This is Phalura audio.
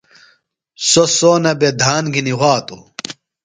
سوۡ سونہ بےۡ دھان گِھنیۡ وھاتوۡ۔